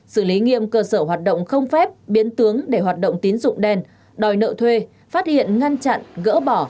xử lý nghiêm cơ sở hoạt động không phép biến tướng để hoạt động tín dụng đen đòi nợ thuê phát hiện ngăn chặn gỡ bỏ